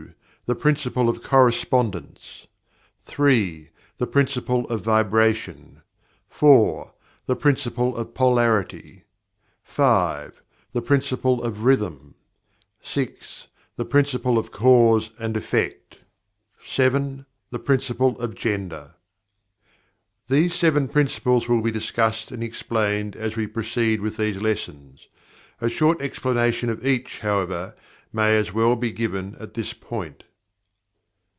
The Principle of Correspondence. 3. The Principle of Vibration. 4. The Principle of Polarity. 5. The Principle of Rhythm. 6. The Principle of Cause and Effect. 7. The Principle of Gender. These Seven Principles will be discussed and explained as we proceed with these lessons. A short explanation of each, however, may as well be given at this point.